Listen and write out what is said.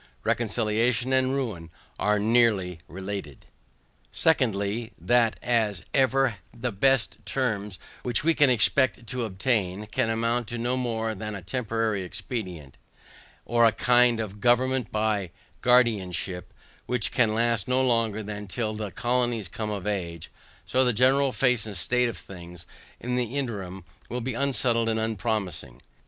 Reconciliation and ruin are nearly related. SECONDLY. That as even the best terms, which we can expect to obtain, can amount to no more than a temporary expedient, or a kind of government by guardianship, which can last no longer than till the colonies come of age, so the general face and state of things, in the interim, will be unsettled and unpromising.